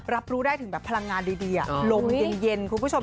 รับรู้ได้ถึงแบบพลังงานดีลมเย็นคุณผู้ชม